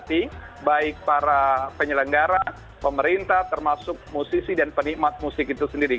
terima kasih baik para penyelenggara pemerintah termasuk musisi dan penikmat musik itu sendiri